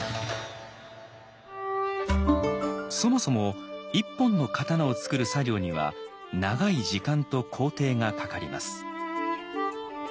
そもそも一本の刀を作る作業には長い時間と工程がかかります。